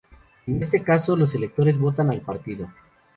En este caso, los electores votan al partido.